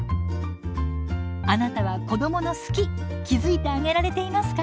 あなたは子どもの「好き」気付いてあげられていますか？